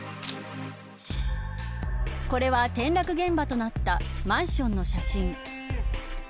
これは転落現場となったマンションの写真。